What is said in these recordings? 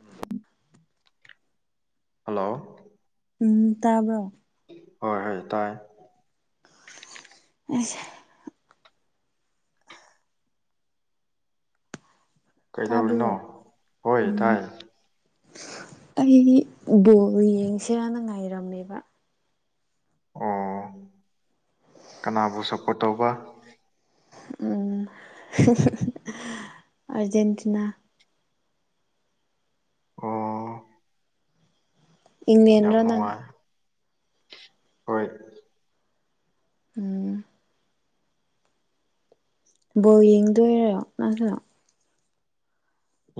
ꯎꯝ hello ꯎꯝ ꯇꯥꯕꯔꯣ ꯍꯣꯏ ꯍꯣꯏ ꯇꯥꯏ [unintelligible] ꯀꯩꯗꯧꯔꯤꯅꯣ ꯇꯥꯕ꯭ꯔꯣ ꯍꯣꯏ ꯎꯝ ꯇꯥꯏ ꯑꯩ ꯕꯣꯜ ꯌꯦꯡꯁꯤꯔꯅ ꯉꯥꯏꯔꯝꯃꯦꯕ ꯑꯣ ꯀꯅꯥꯕꯨ ꯁꯞꯄꯣꯠ ꯇꯧꯕ [unintelligible] ꯑꯔꯖꯦꯟꯇꯤꯅꯥ ꯑꯣ ꯌꯥꯝ ꯏꯪꯪꯂꯦꯟꯅ ꯅꯪ ꯅꯨꯡꯉꯥꯏ ꯍꯣꯏ ꯎꯝ ꯕꯣ ꯌꯦꯡꯗꯣꯏꯔꯣ [unintelligible]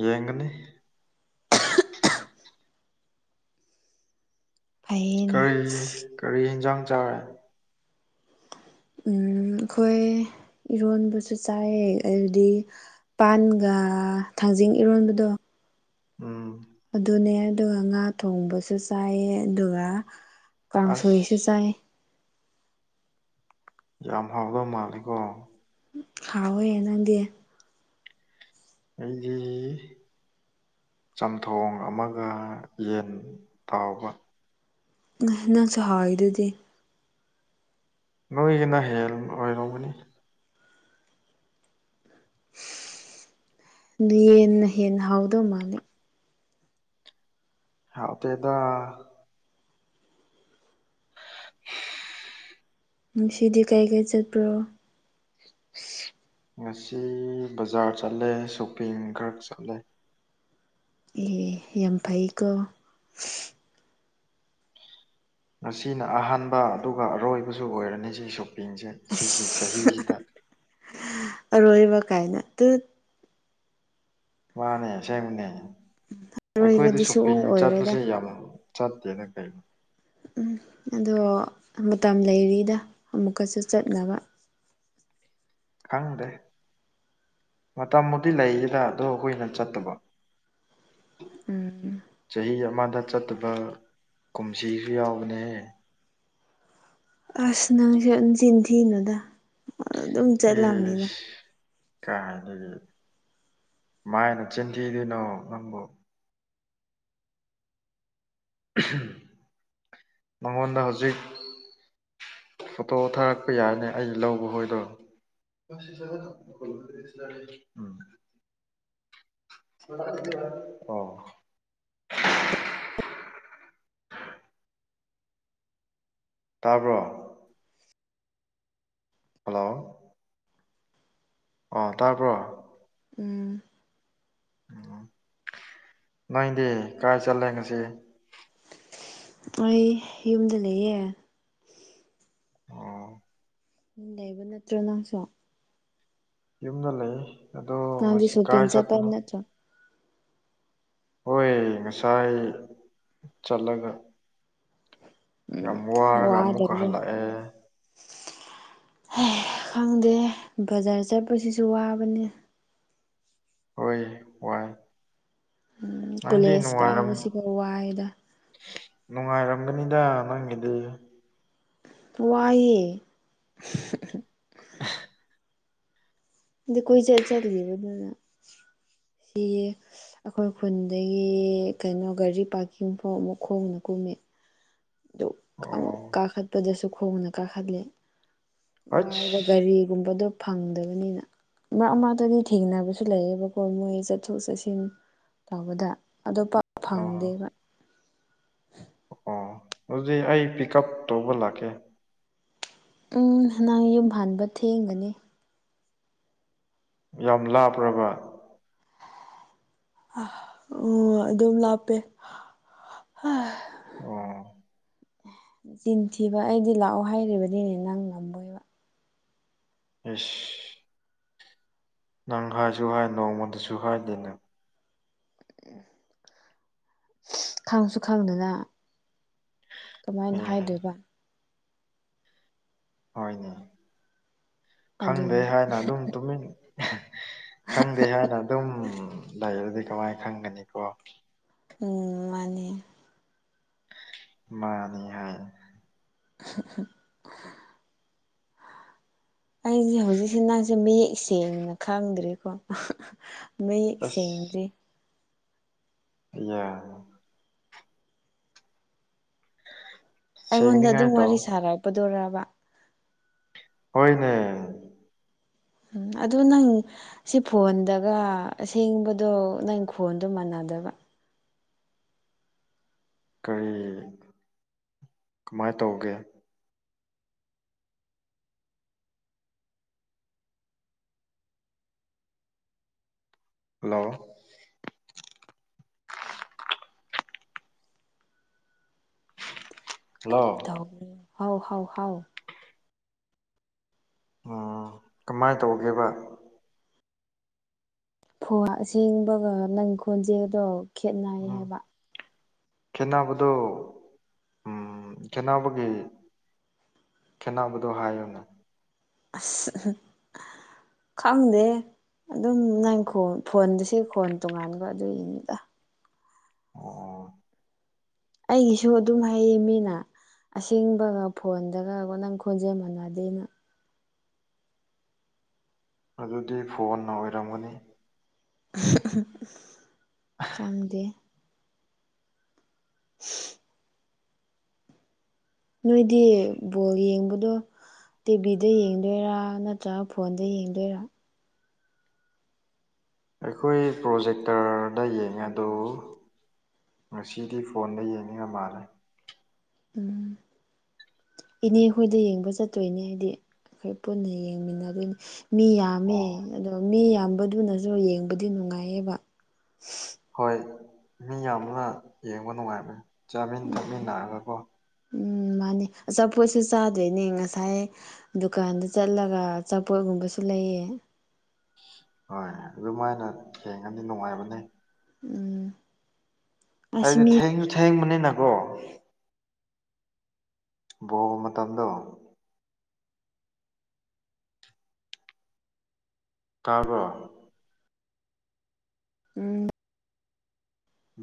ꯌꯦꯡꯒꯅꯤ ꯐꯩꯌꯦꯅꯦ ꯀꯔꯤ ꯀꯔꯤ ꯌꯦꯟꯁꯥꯡ ꯆꯥꯔꯦ ꯎꯝ ꯑꯩꯈꯣꯏ ꯏꯔꯣꯟꯕꯁꯨ ꯆꯥꯏꯑ ꯑꯗꯨꯗꯤ ꯄꯥꯟꯒ ꯊꯥꯡꯖꯤꯡ ꯏꯔꯣꯟꯕꯗꯣ ꯎꯝ ꯑꯗꯨꯅꯦ ꯑꯗꯨꯒ ꯉꯥ ꯊꯣꯡꯕꯁꯨ ꯆꯥꯏ ꯑꯗꯨꯒ ꯑꯁ ꯀꯥꯡꯁꯣꯏꯁꯨ ꯆꯥꯏ ꯌꯥꯝ ꯍꯥꯎꯗ ꯃꯥꯜꯂꯦꯀꯣ ꯍꯥꯎ ꯋꯦ ꯅꯪꯗꯤ ꯑꯩꯒꯤ ꯆꯝꯊꯣꯡ ꯑꯃꯒ ꯌꯦꯟ ꯇꯥꯎꯕ ꯅꯪꯁꯨ ꯍꯥꯎꯋꯏꯗꯨꯗꯤ ꯅꯣꯏꯒꯤꯁꯤꯅ ꯍꯦꯟ ꯑꯣꯏꯔꯨꯕꯅꯤ ꯍꯦꯟꯅ ꯍꯦꯟꯅ ꯍꯥꯎꯗꯧ ꯃꯥꯜꯂꯦ ꯍꯥꯎꯇꯦꯗ ꯁꯤꯗꯤ ꯀꯩ ꯀꯩ ꯆꯠꯄ꯭ꯔꯣ ꯉꯁꯤ ꯕꯖꯥꯔ ꯆꯠꯂꯦ ꯁꯣꯄꯤꯡ ꯈꯔ ꯆꯠꯂꯦ ꯑꯦ ꯌꯥꯝ ꯐꯩꯀꯣ ꯑꯁꯤꯅ ꯑꯍꯥꯟꯕ ꯑꯗꯨꯒ ꯑꯔꯣꯏꯕꯁꯨ ꯑꯣꯏꯔꯅꯤ ꯁꯤꯒꯤ ꯁꯣꯄꯤꯡꯁꯦ ꯁꯤꯒꯤ ꯆꯍꯤꯁꯤꯗ ꯑꯔꯣꯏꯕ ꯀꯥꯏꯅ ꯗꯨꯠ ꯃꯥꯅꯦ ꯑꯦꯡꯕꯅꯦ ꯑꯩꯈꯣꯏꯗ ꯑꯔꯣꯏꯕꯗꯤ ꯁꯣꯞꯄꯤꯡ ꯁꯨꯡꯑꯣꯏ ꯑꯣꯏꯔꯣꯏꯗ ꯆꯠꯄꯁꯦ ꯌꯥꯝ ꯆꯠꯇꯦꯅ ꯀꯩ ꯎꯝ ꯑꯗꯣ ꯃꯇꯝ ꯂꯩꯔꯤꯗ ꯑꯃꯨꯛꯀꯁꯨ ꯆꯠꯅꯕ ꯈꯪꯗꯦ ꯃꯇꯝꯕꯨꯗꯤ ꯂꯩꯌꯦꯗ ꯑꯗꯣ ꯑꯩꯈꯣꯏꯅ ꯆꯠꯇꯕ ꯎꯝ ꯆꯍꯤ ꯑꯃꯗ ꯆꯠꯇꯕ ꯀꯨꯝꯁꯤꯁꯨ ꯌꯥꯎꯕꯅꯦ ꯑꯁ ꯅꯪꯁꯦ ꯑꯗꯨ ꯆꯤꯟꯊꯤꯅꯣꯗ ꯑꯗꯨꯝ ꯆꯠꯂꯕꯅꯤꯅ ꯀꯥꯏꯅꯒꯤ ꯃꯥꯏꯅ ꯆꯤꯟꯊꯤꯗꯣꯏꯅꯣ ꯅꯪꯕꯨ ꯃꯉꯣꯟꯗ ꯍꯧꯖꯤꯛ ꯐꯣꯇꯣ ꯊꯥꯔꯛꯄ ꯌꯥꯏꯅꯦ ꯑꯩ ꯂꯧꯕ ꯍꯣꯏꯗꯣ ꯆ [inaudible] [unintelligible] [unintelligible] ꯑꯣ ꯇꯥꯕ꯭ꯔꯣ ꯍꯜꯂꯣ ꯑꯣ ꯇꯥꯔꯕ꯭ꯔꯣ ꯎꯝ ꯎꯝ ꯅꯣꯏꯗꯤ ꯀꯥꯏ ꯆꯠꯂꯦ ꯉꯁꯤ ꯑꯩꯏ ꯌꯨꯝꯗ ꯂꯩꯌꯦ ꯑꯣ ꯂꯩꯕ ꯅꯠꯇ꯭ꯔꯣ ꯅꯪꯁꯨ ꯌꯨꯝꯗ ꯂꯩ ꯑꯗꯣ ꯅꯪꯗꯤ ꯉꯁꯤ ꯀꯥꯏ ꯁꯣꯄꯤꯡ ꯆꯠꯄ ꯆꯠꯄꯅꯣ ꯅꯠꯇ꯭ꯔꯣ ꯍꯣꯏ ꯉꯁꯥꯏ ꯆꯠꯂꯒ ꯌꯥꯝ ꯎꯝ ꯋꯥꯔꯒ ꯑꯃꯨꯛꯀ ꯋꯥꯗꯕꯅꯦ ꯍꯜꯂꯛꯑꯦ ꯈꯪꯗꯦ ꯕꯖꯥꯔ ꯆꯠꯄꯁꯤꯁꯨ ꯋꯥꯕꯅꯤ ꯍꯣꯏ ꯋꯥꯏ ꯅꯪꯗꯤ ꯀꯨꯂꯦꯖ ꯅꯨꯡꯉꯥꯏꯔꯝ ꯀꯥꯕꯁꯤꯐꯥꯎ ꯋꯥꯏꯗ ꯅꯨꯡꯉꯥꯏꯔꯝꯒꯅꯤꯗ ꯅꯪꯒꯤꯗꯤ ꯋꯥꯏꯌꯦ ꯑ [unintelligible] ꯑꯗ ꯀꯣꯏꯆꯠ ꯆꯠꯂꯤꯕꯗꯨꯅ ꯁꯤ ꯑꯩꯈꯣꯏ ꯈꯨꯟꯗꯒꯤ ꯀꯩꯅꯣ ꯒꯥꯔꯤ ꯄꯥꯔꯀꯤꯡꯐꯥꯎ ꯃꯈꯣꯡꯅ ꯀꯨꯝꯃꯦ ꯑꯗꯨ ꯑꯣ ꯑꯃꯨꯛ ꯀꯥꯈꯠꯄꯗꯁꯨ ꯈꯣꯡꯅ ꯀꯥꯈꯠꯂꯦ ꯋꯥꯏꯕ ꯍꯩꯁ ꯒꯥꯔꯤꯒꯨꯝꯕꯗꯣ ꯐꯪꯗꯕꯅꯤꯅ ꯃꯔꯛ ꯃꯔꯛꯇꯗꯤ ꯊꯦꯡꯅꯕꯁꯨ ꯂꯩꯌꯦꯕꯀꯣ ꯃꯣꯏ ꯆꯠꯊꯣꯛ ꯆꯠꯁꯤꯟ ꯇꯧꯕꯗ ꯑꯗ ꯄꯥꯛ ꯑꯣ ꯐꯪꯗꯦꯕ ꯑꯣ ꯑꯗꯨꯗꯤ ꯑꯩ ꯄꯤꯛꯀꯞ ꯇꯧꯕ ꯂꯥꯛꯀꯦ ꯎꯝ ꯅꯪ ꯌꯨꯝ ꯍꯟꯕ ꯊꯦꯡꯒꯅꯤ ꯌꯥꯝ ꯂꯥꯞꯄ꯭ꯔꯕ ꯑꯥ ꯑꯣ ꯑꯗꯨꯝ ꯂꯥꯞꯄꯦ ꯑꯣ ꯆꯤꯟꯊꯤꯕ ꯑꯩꯗꯤ ꯂꯥꯛꯑꯣ ꯍꯥꯏꯔꯤꯕꯅꯦ ꯅꯪ ꯉꯝꯃꯒ ꯏꯁ ꯅꯪ ꯍꯥꯏꯁꯨ ꯍꯥꯏ ꯅꯣꯡꯃꯣꯟꯇꯁꯨ ꯍꯥꯏꯗꯦ ꯅꯪ ꯈꯪꯁꯨ ꯈꯪꯗꯅ ꯀꯃꯥꯏꯅ ꯎꯝ ꯍꯥꯏꯗꯣꯏꯕ ꯍꯣꯏꯅꯦ ꯈꯪꯗꯦ ꯑꯗꯨꯅꯤ ꯍꯥꯏꯅ ꯑꯗꯨꯝ ꯇꯨꯃꯤꯟ ꯈꯪꯗꯦ ꯍꯥꯏꯅ ꯑꯗꯨꯝ ꯂꯩꯔꯗꯤ ꯀꯃꯥꯏ ꯈꯪꯒꯅꯤꯀꯣ ꯎꯝ ꯃꯥꯅꯦ ꯃꯥꯅꯤ ꯍꯥꯏ [unintelligible] [unintelligible] ꯑꯩꯁꯦ ꯍꯧꯖꯤꯛꯁꯦ ꯅꯪꯁꯦ ꯃꯌꯦꯛ ꯁꯦꯡꯅ ꯈꯪꯗ꯭ꯔꯤꯀꯣ ꯃꯌꯦꯛ ꯑꯁ ꯁꯦꯡꯗ꯭ꯔꯤ ꯑ [unintelligible] ꯑꯩꯉꯣꯟꯗ ꯁꯦꯡꯅꯤꯉꯥꯏ ꯑꯗꯨꯝ ꯇꯧ ꯋꯥꯔꯤ ꯁꯥꯔꯛꯄꯗꯨꯔꯕ ꯍꯣꯏꯅꯦ ꯑꯗꯨ ꯅꯪ ꯁꯤ ꯐꯣꯟꯗꯒ ꯑꯁꯦꯡꯕꯗꯣ ꯅꯪ ꯈꯣꯟꯗꯣ ꯃꯥꯟꯅꯗꯕ ꯀꯔꯤ ꯀꯃꯥꯏ ꯇꯧꯒꯦ ꯍꯜꯂꯣ ꯍꯜꯂꯣ ꯍꯥꯎ ꯍꯥꯎ ꯍꯥꯎ ꯎ ꯀꯃꯥꯏꯅ ꯇꯧꯒꯦꯕ ꯐꯍ ꯁꯦꯡꯕꯒ ꯅꯪ ꯈꯣꯟꯖꯦꯜꯗꯣ ꯈꯦꯠꯅꯩ ꯎꯝ ꯍꯥꯏꯕ ꯈꯦꯠꯅꯕꯗꯣ ꯈꯦꯠꯅꯕꯒꯤ ꯈꯦꯠꯅꯕꯗꯣ ꯍꯥꯏꯌꯣꯅꯦ ꯑꯁ ꯈꯪꯗꯦ ꯑꯗꯨꯝ ꯅꯪ ꯐꯣꯟꯗꯁꯤ ꯈꯣꯟ ꯇꯣꯡꯉꯥꯟꯕ ꯑꯗꯨꯏꯅꯤꯗ ꯑꯣ ꯑꯩꯒꯤꯁꯨ ꯑꯗꯨꯝ ꯍꯩꯌꯦ ꯃꯤꯅ ꯑꯁꯦꯡꯕꯒ ꯐꯣꯟꯗꯒ ꯅꯪ ꯈꯣꯟꯖꯦꯜ ꯃꯥꯟꯅꯗꯦꯅ ꯑꯗꯨꯗꯤ ꯐꯣꯟꯅ ꯑꯣꯏꯔꯝꯒꯅꯤ ꯈꯪꯗꯦ ꯎ [inaudible] ꯅꯣꯏꯗꯤ ꯕꯣꯜ ꯌꯦꯡꯕꯗꯣ ꯇꯤꯚꯤꯗ ꯌꯦꯡꯗꯣꯏꯔꯥ ꯅꯠꯇ꯭ꯔꯒ ꯐꯣꯟꯗ ꯌꯦꯡꯗꯣꯏꯔꯥ ꯑꯩꯈꯣꯏ ꯄ꯭ꯔꯣꯖꯦꯛꯇꯔꯗ ꯌꯦꯡꯉꯦ ꯑꯗꯨ ꯉꯁꯤꯗꯤ ꯐꯣꯟꯗ ꯌꯦꯡꯒꯗꯥ ꯃꯥꯜꯂꯦ ꯎꯝ ꯏꯅꯦ ꯍꯣꯏꯗ ꯌꯦꯡꯕ ꯆꯠꯇꯣꯏꯅꯦ ꯍꯥꯏꯗꯤ ꯑꯩꯈꯣꯏ ꯄꯨꯟꯅ ꯌꯦꯡꯃꯤꯟꯅꯗꯣꯏꯅꯤ ꯃꯤ ꯌꯥꯝꯃꯦ ꯑꯣ ꯑꯗꯣ ꯃꯤ ꯌꯥꯝꯕꯗꯨꯅꯁꯨ ꯌꯦꯡꯕꯗꯤ ꯅꯨꯡꯉꯥꯏꯌꯦꯕ ꯍꯣꯏ ꯃꯤ ꯌꯥꯝꯃꯒ ꯌꯦꯡꯕ ꯅꯨꯡꯉꯥꯏꯕꯅꯦ ꯆꯥꯃꯤꯟ ꯎꯝ ꯊꯥꯛꯃꯤꯟꯅꯔꯒꯀꯣ ꯎꯝ ꯃꯥꯅꯤ ꯑꯆꯥꯄꯣꯠꯁꯨ ꯆꯥꯗꯣꯏꯅꯦ ꯉꯁꯥꯏ ꯗꯨꯀꯥꯟꯗ ꯆꯠꯂꯒ ꯑꯆꯥꯄꯣꯠꯒꯨꯝꯕꯁꯨ ꯂꯩꯌꯦ ꯍꯣꯏ ꯑꯗꯨꯃꯥꯏꯅ ꯊꯦꯡꯉꯗꯤ ꯅꯨꯡꯉꯥꯏꯕꯅꯦ ꯎꯝ ꯑꯁ ꯍꯥꯏꯗꯤ ꯃꯤ ꯊꯦꯡꯁꯨ ꯊꯦꯡꯕꯅꯤꯅꯀꯣ ꯕꯣꯜ ꯃꯇꯝꯗꯣ ꯇꯥꯕ꯭ꯔꯣ ꯎꯝ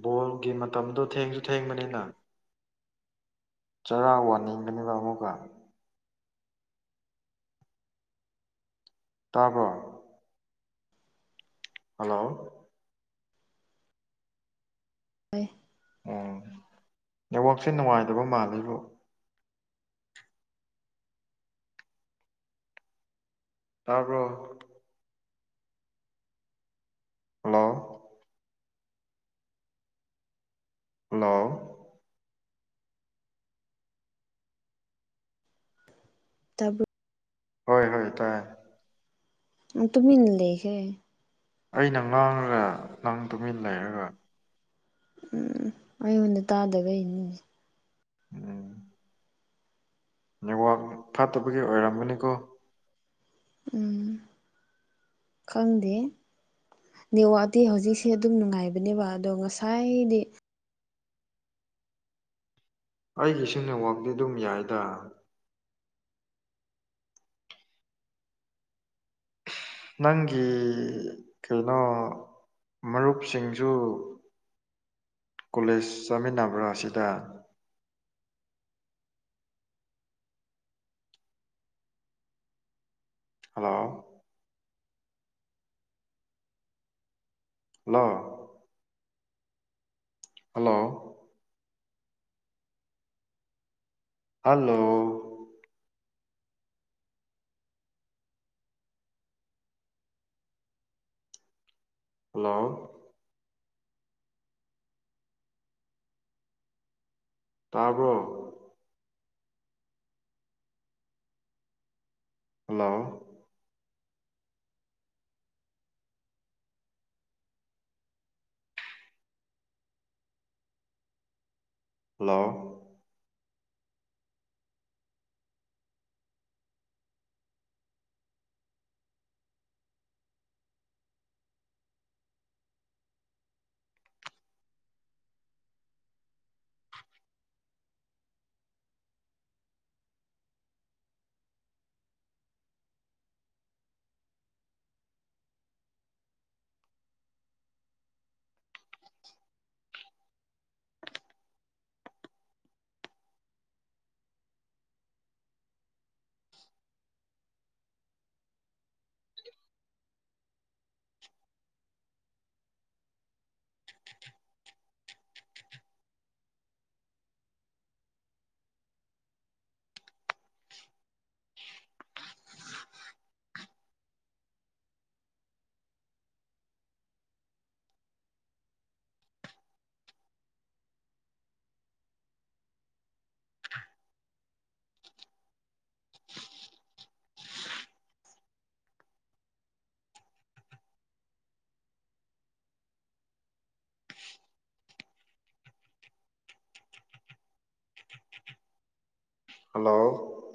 ꯕꯣꯜꯒꯤ ꯃꯇꯝꯗꯣ ꯊꯦꯡꯁꯨ ꯊꯦꯡꯕꯅꯤꯅ ꯆꯔꯥ ꯋꯥꯅꯤꯡꯒꯅꯤꯕ ꯑꯃꯨꯛꯒ ꯇꯥꯕ꯭ꯔꯣ ꯍꯜꯂꯣ [inaudible] ꯑꯣ ꯅꯦꯠꯋꯥꯛꯁꯦ ꯅꯨꯡꯉꯥꯏꯇꯕ ꯃꯥꯜꯂꯤꯕꯣ ꯇꯥꯕ꯭ꯔꯣ ꯍꯜꯂꯣ ꯍꯜꯂꯣ ꯇꯥꯕ꯭ꯔꯣ ꯍꯣꯏ ꯍꯣꯏ ꯇꯥꯏ ꯇꯨꯃꯤꯟꯅ ꯂꯩꯒꯦ ꯑꯩꯅ ꯉꯥꯡꯉꯒ ꯅꯪ ꯇꯨꯃꯤꯟ ꯂꯩꯔꯒ ꯎꯝ ꯑꯩꯉꯣꯟꯗ ꯇꯥꯗꯕꯩꯅꯦ ꯎꯝ ꯅꯦꯠꯋꯥꯛ ꯐꯠꯇꯕꯒꯤ ꯑꯣꯏꯔꯝꯒꯅꯤꯀꯣ ꯎꯝ ꯈꯪꯗꯦ ꯅꯦꯋꯥꯛꯇꯤ ꯍꯧꯖꯤꯛꯁꯦ ꯑꯗꯨꯝ ꯅꯨꯡꯉꯥꯏꯕꯅꯦꯕ ꯑꯗꯣ ꯉꯁꯥꯏꯗꯤ ꯑꯩꯒꯤꯁꯨ ꯅꯦꯠꯋꯥꯛꯇꯤ ꯑꯗꯨꯝ ꯌꯥꯏꯗ ꯅꯪꯒꯤ ꯀꯩꯅꯣ ꯃꯔꯨꯞꯁꯤꯡꯁꯨ ꯀꯣꯂꯦꯁ ꯆꯥꯃꯤꯟꯅꯕ꯭ꯔꯥ ꯁꯤꯗ hello hello hello hello hello ꯇꯥꯕ꯭ꯔꯣ ꯍꯜꯂꯣ ꯍꯜꯂꯣ [inaudible] ꯍꯜꯂꯣ